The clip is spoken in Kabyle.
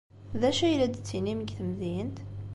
D acu ay la d-ttinin deg temdint?